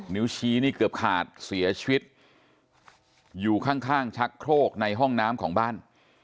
นิ้วชี้นี่เกือบขาดเสียชีวิตอยู่ข้างข้างชักโครกในห้องน้ำของบ้าน